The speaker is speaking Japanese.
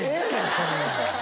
そんなん。